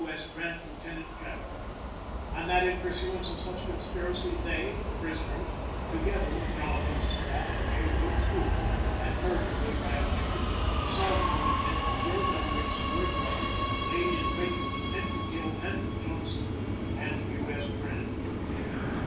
S. Grant, Lieutenant General; and that in pursuance of such conspiracy they (the prisoners) together with John H. Surratt and J. Wilkes Booth, had murdered Abraham Lincoln, assaulted with intent to kill W. H. Seward, and lain in wait with intent to kill Andrew Johnson and U. S. Grant.